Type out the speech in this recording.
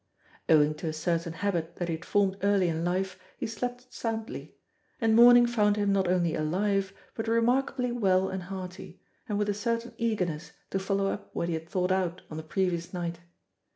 Owing to a certain habit that he had formed early in life he slept soundly, and morning found him not only alive, but remarkably well and hearty, and with a certain eagerness to follow up what he had thought out on the previous night.